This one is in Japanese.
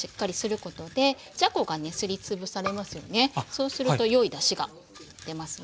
そうすると良いだしが出ますね。